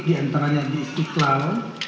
diantaranya di istiqlal